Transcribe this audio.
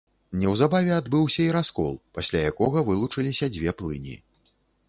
Неўзабаве адбыўся і раскол, пасля якога вылучыліся дзве плыні.